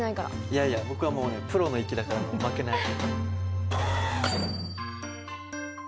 いやいや僕はもうねプロの域だから負けない。